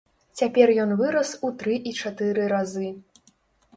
Цяпер ён вырас у тры і чатыры разы.